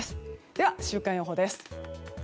では、週間予報です。